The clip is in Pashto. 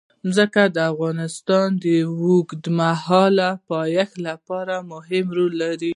ځمکه د افغانستان د اوږدمهاله پایښت لپاره مهم رول لري.